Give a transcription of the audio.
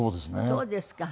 そうですか。